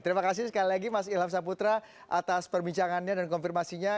terima kasih sekali lagi mas ilham saputra atas perbincangannya dan konfirmasinya